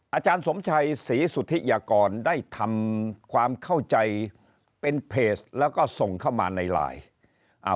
อาจารย์สมชัยศรีสุธิยากรได้ทำความเข้าใจเป็นเพจแล้วก็ส่งเข้ามาในไลน์